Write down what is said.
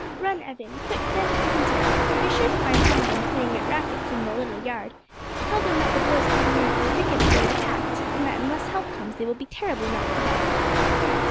Run, Evan, quick, down to Dean's Yard; you are sure to find some of them playing at racquets in the Little Yard, tell them that the boys coming home from cricket have been attacked, and that unless help comes they will be terribly knocked about."